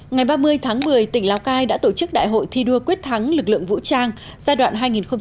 ngày ba mươi tháng một mươi tỉnh lào cai đã tổ chức đại hội thi đua quyết thắng lực lượng vũ trang giai đoạn hai nghìn một mươi ba hai nghìn một mươi tám